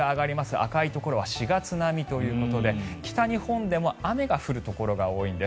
赤いところは４月並みということで北日本でも雨が降るところが多いんです。